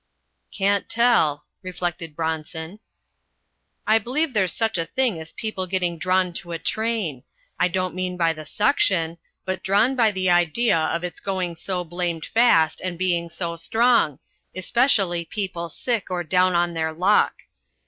"Can't tell," reflected Bronson. "I b'lieve there's such a thing as people getting drawn to a train. I don't mean by the suction, but drawn by the idea of its going so blamed fast and being so strong, especially people sick or down on their luck.